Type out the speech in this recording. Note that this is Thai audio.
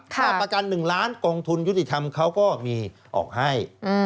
ค่าประกัน๑ล้านกองทุนยุติธรรมเขาก็มีออกให้